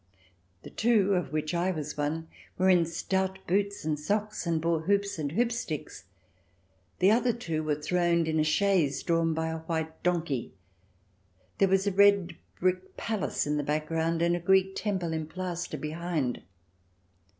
The two, of which I was one, were in stout boots and socks, and bore hoops and hoopsticks, the other two were throned in a chaise drawn by a white donkey. There was a red brick palace in the back ground and a Greek Temple in plaster behind.